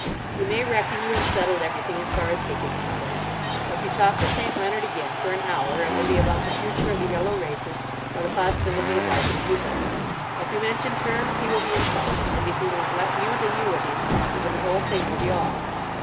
You may reckon you have settled everything as far as Dick is concerned. If you talk to St. Leonard again for an hour it will be about the future of the Yellow Races or the possibility of life in Jupiter. If you mention terms he will be insulted, and if he won't let you then you will be insulted, and the whole thing will be off.